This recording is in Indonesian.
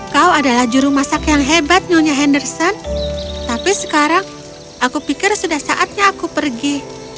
kau adalah juru masak yang hebat nyonya henderson tapi sekarang aku pikir sudah saatnya aku pergi